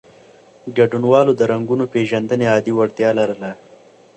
ګډونوالو د رنګونو پېژندنې عادي وړتیا لرله.